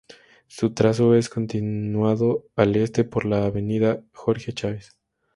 Su trazo es continuado al este por la avenida Jorge Chávez.